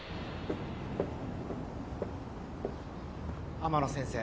天野先生。